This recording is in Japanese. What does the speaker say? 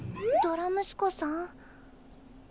ドラムスコさん？